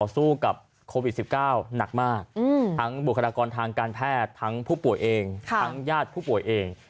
สู้กับโควิด๑๙หนักมากทั้งบุคลากรทางการแพทย์ทั้งผู้ป่วยเองทั้งญาติผู้ป่วยเอง